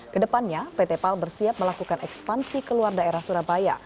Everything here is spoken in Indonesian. kedepannya pt pal bersiap melakukan ekspansi ke luar daerah surabaya